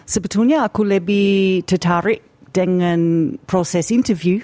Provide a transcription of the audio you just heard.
sebetulnya aku lebih tertarik dengan proses interview